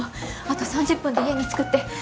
あと３０分で家に着くって。